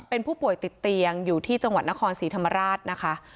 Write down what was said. เป็นผู้ป่วยติดเตียงอยู่ที่จังหวัดนครศรีธรรมราชนะคะ